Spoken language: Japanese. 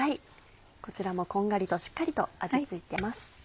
こちらもこんがりとしっかりと味付いてます。